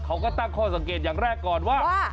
เขาก็ตั้งข้อสังเกตอย่างแรกก่อนว่า